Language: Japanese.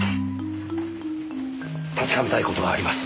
確かめたい事があります。